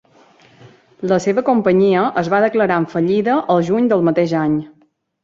La seva companyia es va declarar en fallida el juny del mateix any.